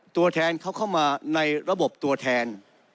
ตัวแทนเขาเข้ามาในระบบตัวแทน